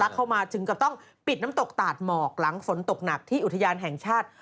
เข้ามาถึงกับต้องปิดน้ำตกตาดหมอกหลังฝนตกหนักที่อุทยานแห่งชาติ